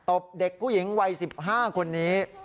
บเด็กผู้หญิงวัย๑๕คนนี้